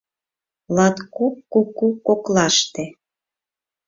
Латкок куку коклаште